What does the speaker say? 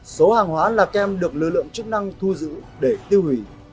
số hàng hóa là kem được lực lượng chức năng thu giữ để tiêu hủy